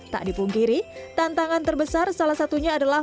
tak dipungkiri tantangan terbesar salah satunya adalah